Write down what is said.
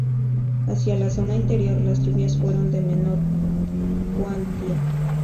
Hacia la zona interior las lluvias fueron de menor cuantía.